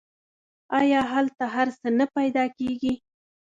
آیا هلته هر څه نه پیدا کیږي؟